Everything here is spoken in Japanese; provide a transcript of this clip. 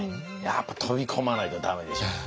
やっぱ飛び込まないと駄目でしょう。